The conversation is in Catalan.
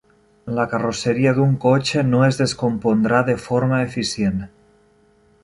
La carrosseria d'un cotxe no es descompondrà de forma eficient.